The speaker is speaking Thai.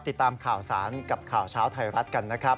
ติดตามข่าวสารกับข่าวเช้าไทยรัฐกันนะครับ